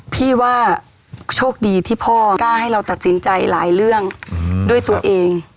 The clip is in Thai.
พี่ว่าโชคดีที่พ่อกล้าให้เราตัดสินใจหลายเรื่องด้วยตัวเอง